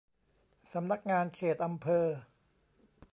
สำนักงานเขตอำเภอ